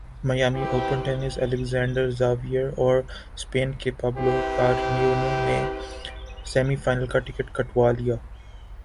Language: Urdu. Miami Open tennis Alexander Zverev اورسپین کے پبلو کارینو نے سیمی فائنل کا ٹکٹ کٹوا لیا